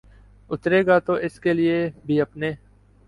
اترے گا تو اس کے لیے بھی اپنے